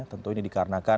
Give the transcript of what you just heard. tentu ini dikarenakan